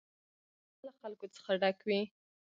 ټول هوټلونه له خلکو څخه ډک وي